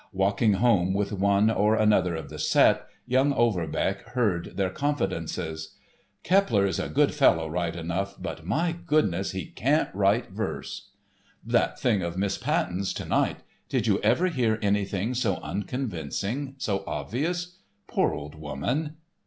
Walking home with one or another of the set, young Overbeck heard their confidences. "Keppler is a good fellow right enough, but, my goodness, he can't write verse!" "That thing of Miss Patten's to night! Did you ever hear anything so unconvincing, so obvious? Poor old woman!"